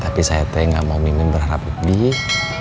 tapi saya teh gak mau mimin berharap lebih